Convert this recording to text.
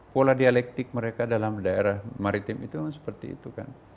pola dialektik mereka dalam daerah maritim itu seperti itu kan